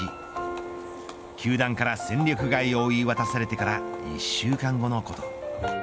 球団から戦力外を言い渡されてから１週間後のこと。